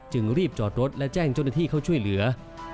รีบจอดรถและแจ้งเจ้าหน้าที่เข้าช่วยเหลือ